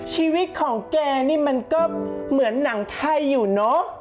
ชีวิตของแกนี่มันก็เหมือนหนังไทยอยู่เนอะ